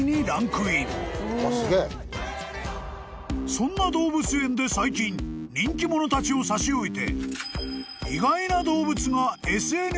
［そんな動物園で最近人気者たちを差し置いて］